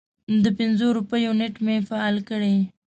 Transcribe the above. د پنځو روپیو نیټ مې فعال کړی